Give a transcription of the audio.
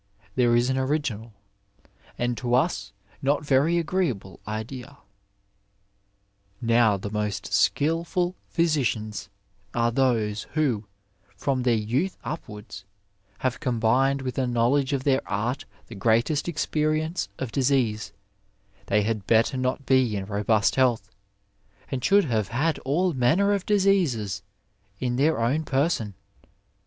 408) there is an original, and to us not very agreeable, idea :" Now the most skilful physicians are those who, from their youth upwards, have combined with a knowledge of their art, the greatest ex perience of disease; they had better not be in robust health, and should have had all manner of diseases in their own person.